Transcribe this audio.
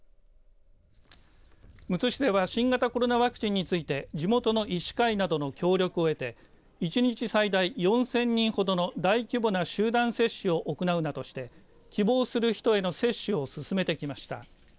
むつ市では新型コロナワクチンについて地元の医師会などの協力を得て１日最大４０００人ほどの大規模な集団接種を行うなどして希望する人への接種を進めてきました。